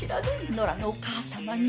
野良のお母さまに。